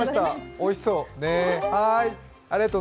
おいしそう。